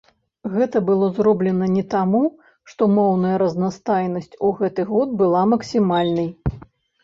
Гэта было зроблена не таму, што моўная разнастайнасць у гэты год была максімальнай.